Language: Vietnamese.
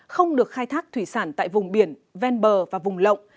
không được khai thác thủy sản tại vùng biển ven bờ và vùng lộng